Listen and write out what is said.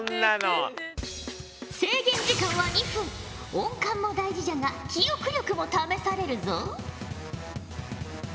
音感も大事じゃが記憶力も試されるぞ。